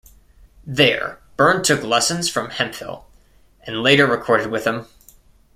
There Berne took lessons from Hemphill, and later recorded with him.